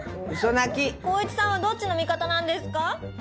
孝一さんはどっちの味方なんですか？